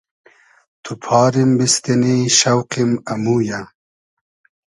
تو پاریم بیستینی شۆقیم امویۂ